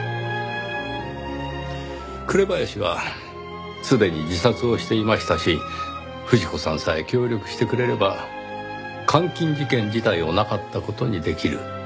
紅林はすでに自殺をしていましたし富士子さんさえ協力してくれれば監禁事件自体をなかった事にできる。